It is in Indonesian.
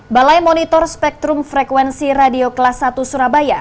balai monitor spektrum frekuensi radio kelas satu surabaya